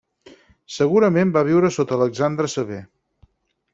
Segurament va viure sota Alexandre Sever.